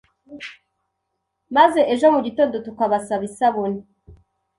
maze ejo mu gitondo tukabasaba isabune,